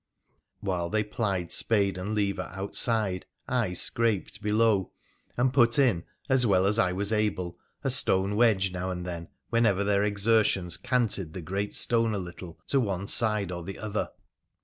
While they pliei spade and lever o'ul'side, I scraped below, PHRA THE PHCENICJAN 239 and put in, as well as I was able, a stone wedge now and then, whenever their exertions canted the great stone a little to one side or the other.